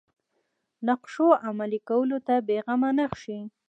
نقشو عملي کولو ته بېغمه نه شي.